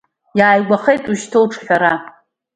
Иааигәахеит уажәшьҭа уҿҳәара!